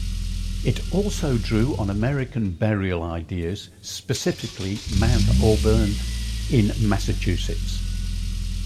It also drew on American burial ideas, specifically Mount Auburn in Massachusetts.